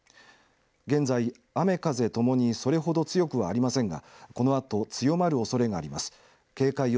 現在、雨風共にそれほど強くはありませんがこのあと強まるおそれがあります。